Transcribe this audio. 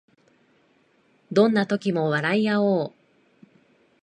どんな時も笑いあおう